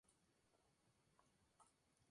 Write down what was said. El estilo de tocar el bajo de Cliff es simple.